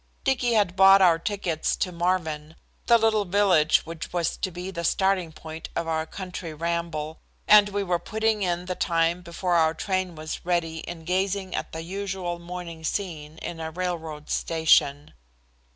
Dicky had bought our tickets to Marvin, the little village which was to be the starting point of our country ramble, and we were putting in the time before our train was ready in gazing at the usual morning scene in a railroad station.